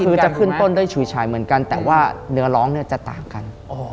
คือจะขึ้นต้นด้วยฉุยฉายเหมือนกันแต่ว่าเนื้อร้องเนี่ยจะต่างกัน